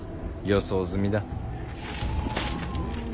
予想済みだ。